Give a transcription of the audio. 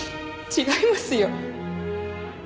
違いますよ。